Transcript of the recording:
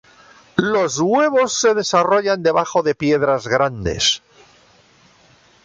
Los huevos se desarrollan debajo de piedras grandes.